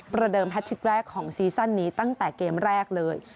เดิมแททิกแรกของซีซั่นนี้ตั้งแต่เกมแรกเลย